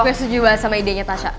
aku setuju banget sama idenya tasha